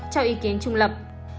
cho ý kiến trung lập